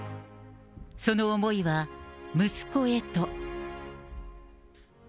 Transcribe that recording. その思いは息子へと。